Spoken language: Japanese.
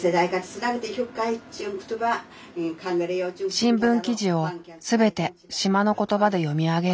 新聞記事を全て島の言葉で読み上げる